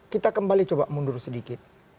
kita kembali coba mundur sedikit